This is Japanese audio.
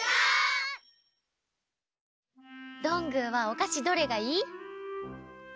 どんぐーはおかしどれがいい？